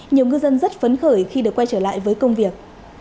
nhiều ngư dân rất phấn khởi khi được quay trở lại với công việc